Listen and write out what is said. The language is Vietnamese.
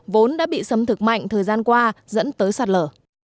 vốn đã bị sấm thực mạnh thời gian qua dẫn tới sạt lở